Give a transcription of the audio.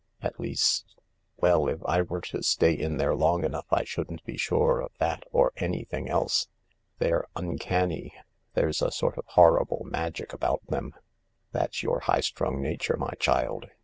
At least ... well, if I were to stay in there long I shouldn't be sure of that or anything else. They're uncanny ; there's a sort of horrible magic about them." "That's your highly strung nature, my child.